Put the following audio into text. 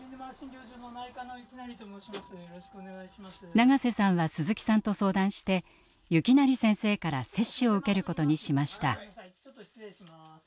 長瀬さんは鈴木さんと相談して行形先生から接種を受けることにしました。